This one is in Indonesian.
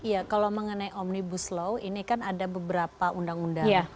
ya kalau mengenai omnibus law ini kan ada beberapa undang undang